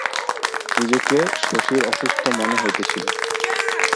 নিজেকে শশীর অসুস্থ মনে হইতেছিল।